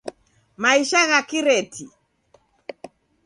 Maisha gha kireti